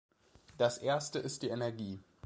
Das erste ist die Energie.